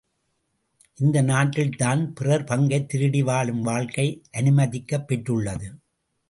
இந்த நாட்டில் தான் பிறர் பங்கைத் திருடி வாழும் வாழ்க்கை அனுமதிக்கப் பெற்றுள்ளது.